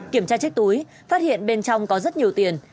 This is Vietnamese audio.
kiểm tra chiếc túi phát hiện bên trong có rất nhiều tiền